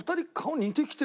似てきてる。